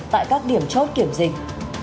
tại các điểm chốt kiểm dịch